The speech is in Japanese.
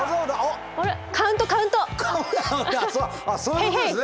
カウントそういうことですね。